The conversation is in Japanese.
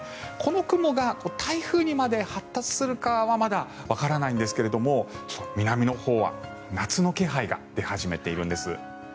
この雲が台風にまで発達するかはまだわからないんですけれども南のほうは夏の気配が出始めているんです。